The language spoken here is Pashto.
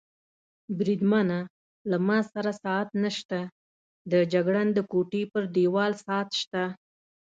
بریدمنه، له ما سره ساعت نشته، د جګړن د کوټې پر دېوال ساعت شته.